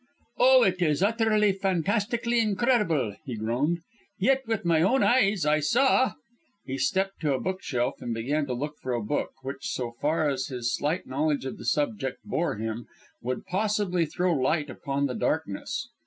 "Oh, it is utterly, fantastically incredible!" he groaned. "Yet, with my own eyes I saw " He stepped to a bookshelf and began to look for a book which, so far as his slight knowledge of the subject bore him, would possibly throw light upon the darkness.